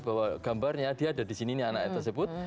bahwa gambarnya dia ada di sini anaknya tersebut